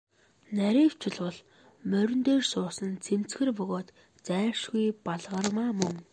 Нарийвчилбал, морин дээр суусан нь цэмцгэр бөгөөд зайлшгүй Балгармаа мөн.